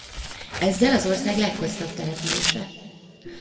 Ezzel az ország leghosszabb települése.